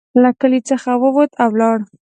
له کلي څخه ووت او ولاړ.